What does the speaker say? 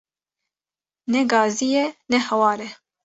Ne gazî ye ne hawar e